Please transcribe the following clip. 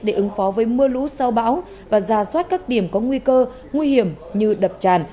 để ứng phó với mưa lũ sau bão và ra soát các điểm có nguy cơ nguy hiểm như đập tràn